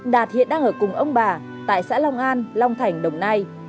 đạt hiện đang ở cùng ông bà tại xã long an long thành đồng nai